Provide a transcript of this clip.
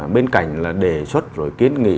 bên cạnh là đề xuất rồi kiến nghị